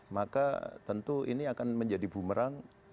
maka tentu ini akan menjadi bumerang